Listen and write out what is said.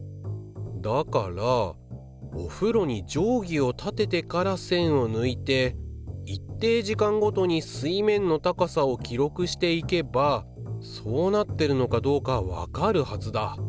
だからおふろに定規を立ててからせんをぬいて一定時間ごとに水面の高さを記録していけばそうなってるのかどうかわかるはずだ。